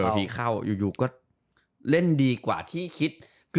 ทีเข้าอยู่ก็เล่นดีกว่าที่คิด